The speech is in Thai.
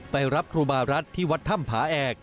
ไปรับครูบารัฐที่วัดถ้ำผาแอก